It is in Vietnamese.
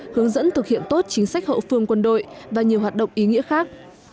hướng dẫn thực hiện tốt chính sách hậu phương quân đội và nhiều hoạt động ý nghĩa khác